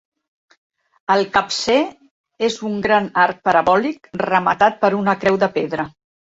El capcer és un gran arc parabòlic rematat per una creu de pedra.